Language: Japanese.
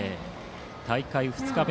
大会２日目。